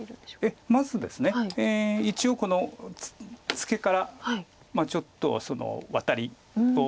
まずですね一応このツケからちょっとワタリを。